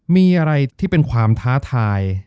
มีอะไรที่เป็นความท้าทาย